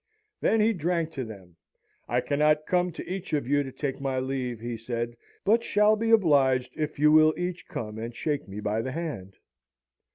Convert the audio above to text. Then he drank to them. 'I cannot come to each of you to take my leave,' he said, 'but shall be obliged if you will each come and shake me by the hand.'